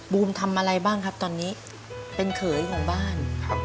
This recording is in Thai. บูมทำอะไรบ้างครับตอนนี้เป็นเขยของบ้าน